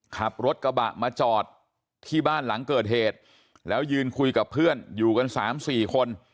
ขับรถกระบะมาจอดที่บ้านหลังเกิดเหตุแล้วยืนคุยกับเพื่อนอยู่กันสามสี่คน